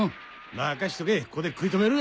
任しとけここで食い止める。